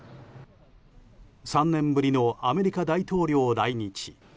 ３年ぶりのアメリカ大統領来日。